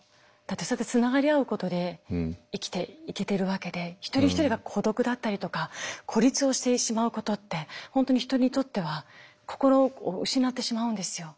そうやってつながり合うことで生きていけてるわけで一人一人が孤独だったりとか孤立をしてしまうことって本当に人にとっては心を失ってしまうんですよ。